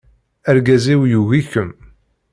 Argaz-iw yugi-kem.